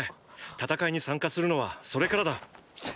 戦いに参加するのはそれからだ。